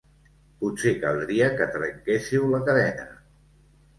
Potser caldria que trenquésseu la cadena.